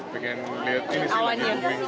pengen lihat awannya